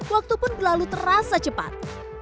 waktu pun berlalu terasa cepat